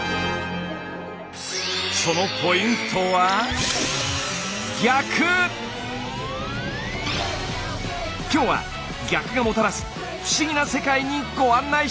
そのポイントは今日は「逆」がもたらす不思議な世界にご案内します！